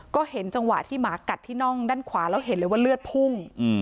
ก็เห็นจังหวะที่หมากัดที่น่องด้านขวาแล้วเห็นเลยว่าเลือดพุ่ง